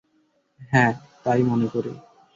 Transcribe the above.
হ্যাঁ, তাই মনে করে।